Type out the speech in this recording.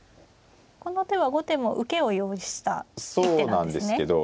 この手は後手も受けを用意した一手なんですね。